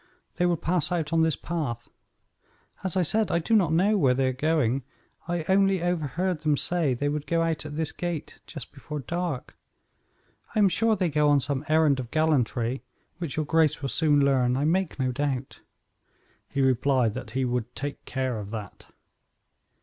They will pass out on this path. As I said, I do not know where they are going; I only overheard them say they would go out at this gate just before dark. I am sure they go on some errand of gallantry, which your grace will soon learn, I make no doubt." He replied that he "would take care of that."